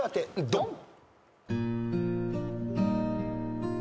ドン！